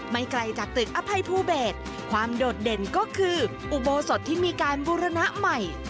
ไกลจากตึกอภัยภูเบสความโดดเด่นก็คืออุโบสถที่มีการบูรณะใหม่